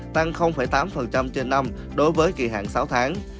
tăng tám trên năm đối với kỳ hạn sáu tháng